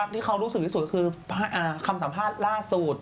ที่เขารู้สึกที่สุดคือคำสัมภาษณ์ล่าสุด